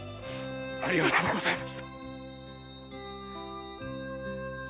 ありがとうございます。